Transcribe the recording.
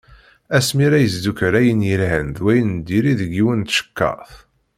Asmi ara yesdukkel ayen yelhan d wayen n diri deg yiwet n tcekkart.